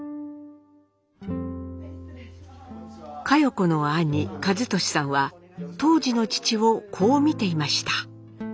佳代子の兄和利さんは当時の父をこう見ていました。